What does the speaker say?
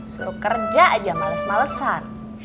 suruh kerja aja males malesan